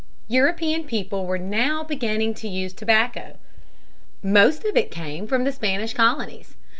European people were now beginning to use tobacco. Most of it came from the Spanish colonies.